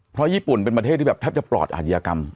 เพราะญี่ปุ่นเป็นประเทศที่แบบแทบจะปลอดอาชญากรรม